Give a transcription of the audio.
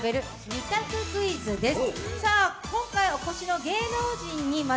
２択クイズです。